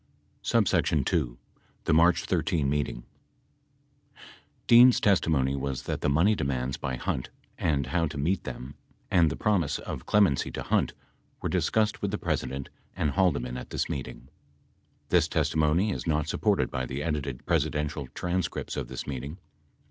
[pp. 109 10.] [Emphasis added throughout.] 2. THE MARCH 13 MEETING Dean's testimony was that the money demands by Hunt and how to meet, them and the promise of clemency to Hunt were discussed with the President and Haldeman at this meeting. This testimony is not supported by the edited Presidential transcripts of this meeting.